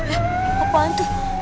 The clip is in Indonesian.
eh apaan tuh